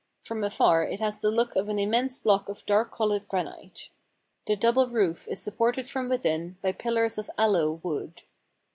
From afar it has the look of an immense block of dark colored granite. The double roof is supported from within by pillars of aloe wood.